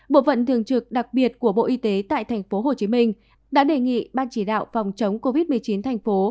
bộ phận thường trực đặc biệt của bộ y tế tại tp hcm đã đề nghị ban chỉ đạo phòng chống covid một mươi chín thành phố